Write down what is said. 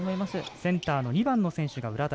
センターの２番の選手が浦田。